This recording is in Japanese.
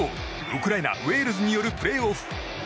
ウクライナ、ウェールズによるプレーオフ。